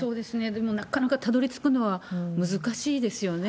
でも、なかなかたどりつくのは難しいですよね。